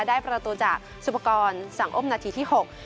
ได้ประตูจากสุปกรณ์สังอมนาทีที่หก